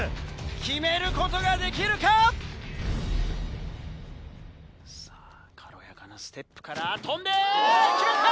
決めることができるか⁉さぁ軽やかなステップから跳んで決めた！